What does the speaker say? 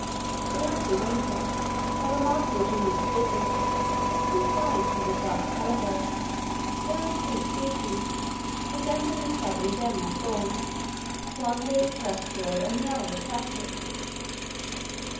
The Amblyrhynchus, a remarkable genus of lizards, is confined to this archipelago; there are two species, resembling [picture] each other in general form, one being terrestrial and the other aquatic.